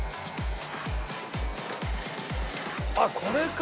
あっこれか！